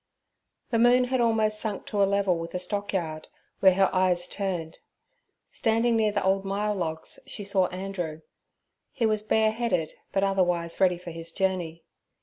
The moon had almost sunk to a level with the stockyard, where her eyes turned. Standing near the old myall logs, she saw Andrew. He was bareheaded, but otherwise ready for his journey.